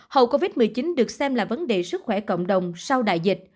hậu covid một mươi chín được xem là vấn đề sức khỏe cộng đồng sau đại dịch